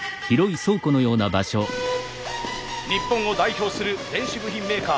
日本を代表する電子部品メーカー。